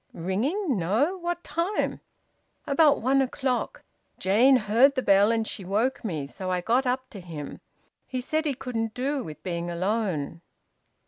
"Ringing? No! What time?" "About one o'clock. Jane heard the bell, and she woke me. So I got up to him. He said he couldn't do with being alone."